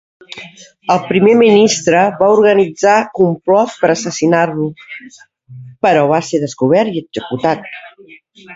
El primer ministre va organitzar complot per assassinar-lo, però va ser descobert i executat.